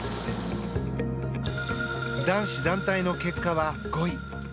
男子団体の結果は５位。